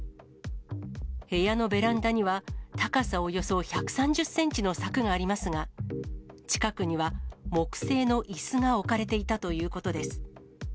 部屋のベランダには、高さおよそ１３０センチの柵がありますが、近くには木製のいすが置かれていたということです。